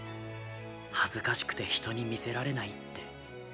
恥ずかしくて人に見せられないって。